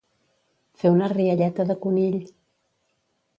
Fer una rialleta de conill.